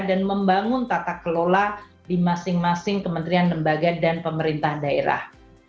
dan membangun tata kelola di masing masing kementerian lembaga dan pemerintah daerah